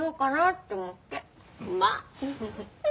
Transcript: まあ！